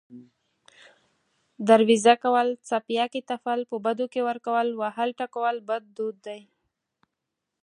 دروېزه کول، څپياکې تپل، په بدو کې ورکول، وهل، ټکول بد دود دی